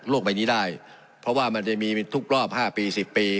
ใบนี้ได้เพราะว่ามันจะมีทุกรอบ๕ปี๑๐ปี